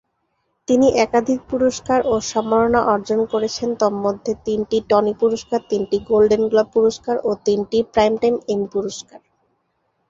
তিনি একাধিক পুরস্কার ও সম্মাননা অর্জন করেছেন, তন্মধ্যে তিনটি টনি পুরস্কার, তিনটি গোল্ডেন গ্লোব পুরস্কার ও তিনটি প্রাইমটাইম এমি পুরস্কার।